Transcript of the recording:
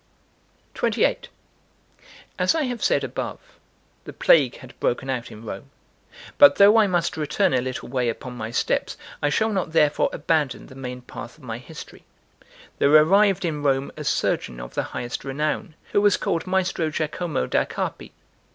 Note 1. 'Stavano alle velette.' Perhaps 'lay in wait for.' XXVIII AS I have said above, the plague had broken out in Rome; but though I must return a little way upon my steps, I shall not therefore abandon the main path of my history. There arrived in Rome a surgeon of the highest renown, who was called Maestro Giacomo da Carpi.